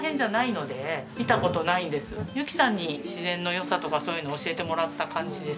由紀さんに自然の良さとかそういうのを教えてもらった感じです。